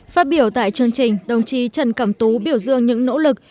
phát biểu tại chương trình đồng chí trần cẩm tú biểu dương những nỗ lực